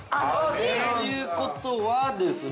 ◆ということは、ですね。